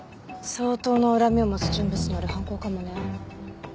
相当な恨みを持つ人物による犯行かもね。